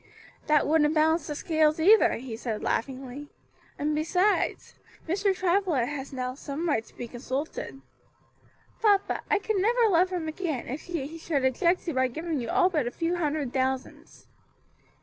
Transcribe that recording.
"That wouldn't balance the scales either," he said laughingly; "and besides, Mr. Travilla has now some right to be consulted." "Papa, I could never love him again, if he should object to my giving you all but a few hundred thousands."